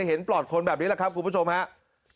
ปลอดคนแบบนี้แหละครับคุณผู้ชมครับ